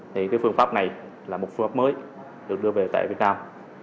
thì cái phương pháp này là một phương pháp mới được đưa về tại việt nam